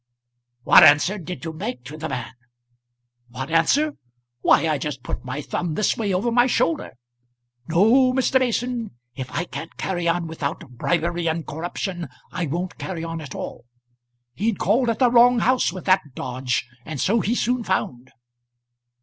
"What answer did you make to the man?" "What answer! why I just put my thumb this way over my shoulder. No, Mr. Mason, if I can't carry on without bribery and corruption, I won't carry on at all. He'd called at the wrong house with that dodge, and so he soon found."